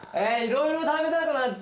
色々食べたくなっちゃう。